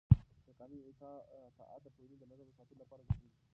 د قانون اطاعت د ټولنې د نظم د ساتلو لپاره ضروري دی